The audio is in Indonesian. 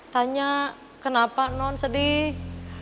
tanya kenapa non sedih